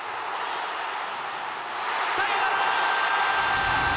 サヨナラ！